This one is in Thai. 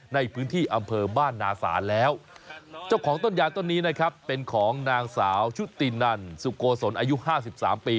ในพื้นที่อำเภอบ้านนาศาลแล้วเจ้าของต้นยาต้นนี้นะครับเป็นของนางสาวชุตินันสุโกศลอายุห้าสิบสามปี